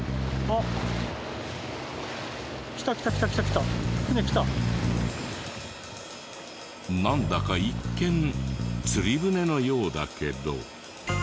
なんだか一見釣り船のようだけど。